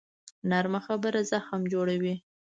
نرمه خبره زخم جوړوي